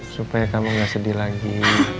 supaya kamu nggak sedih lagi